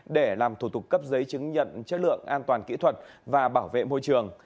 để làm thủ tục cấp giấy chứng nhận chất lượng an toàn kỹ thuật và bảo vệ môi trường